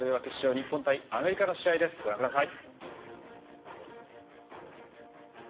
日本対アメリカの試合ご覧ください。